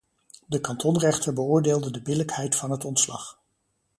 De kantonrechter beoordeelde de billijkheid van het ontslag.